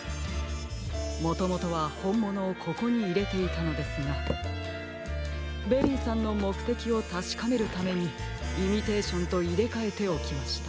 もともとはほんものをここにいれていたのですがベリーさんのもくてきをたしかめるためにイミテーションといれかえておきました。